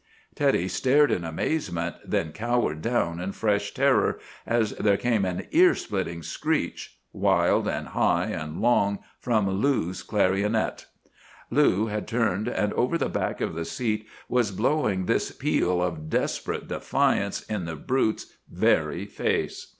"Teddy stared in amazement, then cowered down in fresh terror as there came an ear splitting screech, wild and high and long, from Lou's clarionet. Lou had turned, and over the back of the seat was blowing this peal of desperate defiance in the brute's very face.